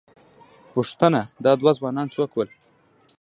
پوښتنه، دا دوه ځوانان څوک ول؟